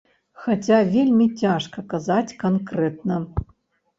Хаця вельмі цяжка казаць канкрэтна.